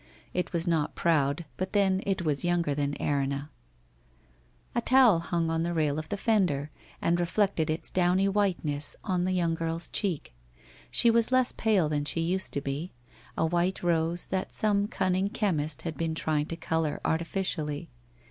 It was not proud, but then, it was younger than Erinna. A towel hung on the rail of the fender, and reflected its downy whiteness on the young girl's cheek. She was less pale than she used to be — a white rose that some cunning chemist had been trying to colour artificially.